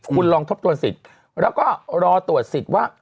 คุณลองทบทวนสิทธิ์แล้วก็รอตรวจสิทธิ์ว่า